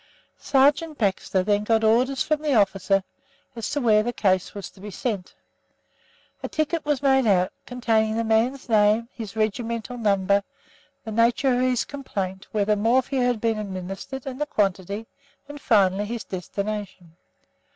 Sergeant Baxter then got orders from the officer as to where the case was to be sent. A ticket was made out, containing the man's name, his regimental number, the nature of his complaint, whether morphia had been administered and the quantity, and finally his destination.